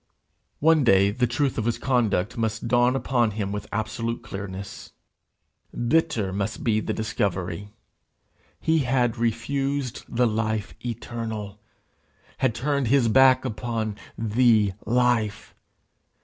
One day the truth of his conduct must dawn upon him with absolute clearness. Bitter must be the discovery. He had refused the life eternal! had turned his back upon The Life!